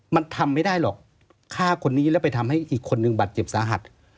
มันทำไม่ได้หรอกฆ่าคนนี้แล้วไปทำให้อีกคนนึงบาดเจ็บสาหัส